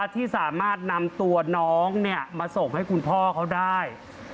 ที่สามารถนำตัวน้องมาส่งให้คุณพ่อเขาได้